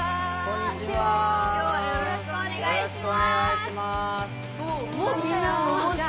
よろしくお願いします。